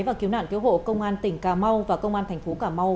và cứu nạn cứu hộ công an tỉnh cà mau và công an thành phố cà mau